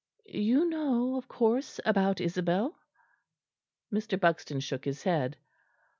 You know, of course, about Isabel?" Mr. Buxton shook his head.